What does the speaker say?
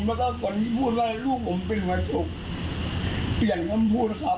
แล้วก็คนที่พูดว่าลูกผมเป็นหัวจุกเปลี่ยนคำพูดนะครับ